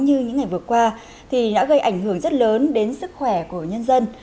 như những ngày vừa qua thì đã gây ảnh hưởng rất lớn đến sức khỏe của nhân dân